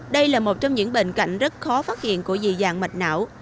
đây là một trong những bệnh cảnh rất khó phát hiện của dị dạng mạch não